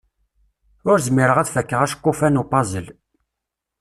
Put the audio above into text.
Ur zmireɣ ad d-fakkeɣ aceqquf-a n upazel.